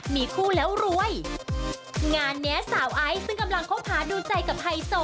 มีคู่แล้วรวยงานเนี้ยสาวไอซ์ซึ่งกำลังคบหาดูใจกับไฮโซ